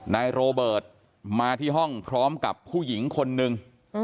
นายโรเบิร์ตมาที่ห้องพร้อมกับผู้หญิงคนนึง